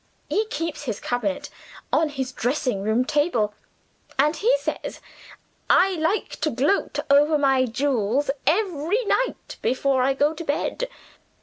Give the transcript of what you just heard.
He keeps his cabinet on his dressing room table; and he says, 'I like to gloat over my jewels, every night, before I go to bed.